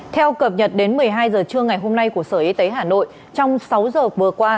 theo cập nhật đến một mươi hai h trưa ngày hôm nay của sở y tế hà nội trong sáu giờ vừa qua